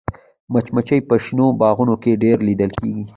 مچمچۍ په شنو باغونو کې ډېره لیدل کېږي